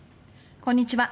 こんにちは。